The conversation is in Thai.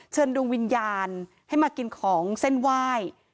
ดวงวิญญาณให้มากินของเส้นไหว้